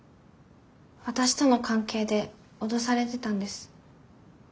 私との関係で脅されてたんです。